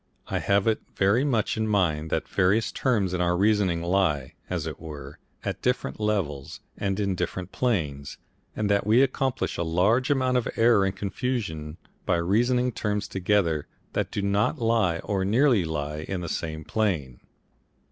I have it very much in mind that various terms in our reasoning lie, as it were, at different levels and in different planes, and that we accomplish a large amount of error and confusion by reasoning terms together that do not lie or nearly lie in the same plane.